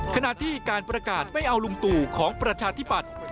ขณะที่การประกาศไม่เอาลุงตู่ของประชาธิปัตย์